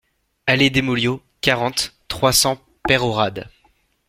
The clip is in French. Allée des Mouliots, quarante, trois cents Peyrehorade